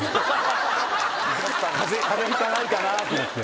風邪ひかないかなと思って。